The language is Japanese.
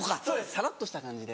サラっとした感じで。